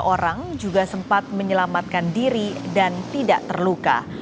tiga orang juga sempat menyelamatkan diri dan tidak terluka